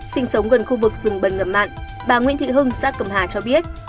sinh sống gần khu vực rừng bần ngậm mạn bà nguyễn thị hưng xã cầm hà cho biết